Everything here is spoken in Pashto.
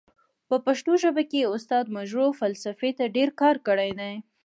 په پښتو ژبه کې استاد مجرح فلسفې ته ډير کار کړی دی.